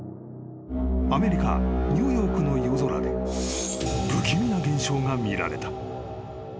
［アメリカニューヨークの夜空で不気味な現象が見られた］